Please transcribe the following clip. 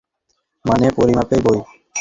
মানে, পরিমাপের বই।